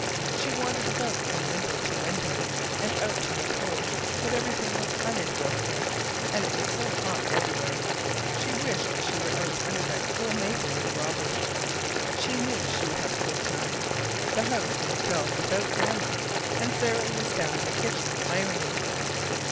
She wandered about from window to window, and out on the porch, but everything was uninteresting, and it was so hot everywhere. She wished she were out under that cool maple with Robert. She knew she would have a good time. The house was dull without Grandma, and Sarah was down in the kitchen ironing.